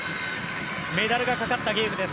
メダルがかかったゲームです。